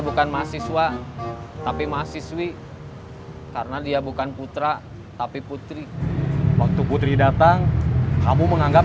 bukan mahasiswa tapi mahasiswi karena dia bukan putra tapi putri waktu putri datang kamu menganggap